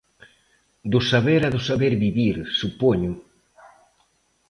Do saber e do saber vivir, supoño.